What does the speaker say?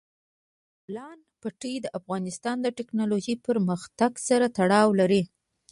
د بولان پټي د افغانستان د تکنالوژۍ پرمختګ سره تړاو لري.